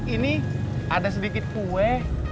ini ada sedikit kue